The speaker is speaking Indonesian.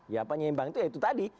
ya penyeimbang itu tadi